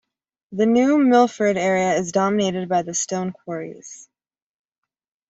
The New Milford area is dominated by stone quarries.